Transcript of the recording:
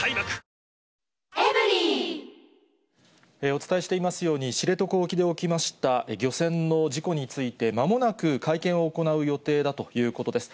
お伝えしていますように、知床沖で起きました漁船の事故について、まもなく、会見を行う予定だということです。